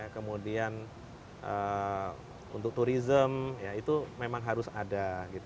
kemudian untuk turism itu memang harus ada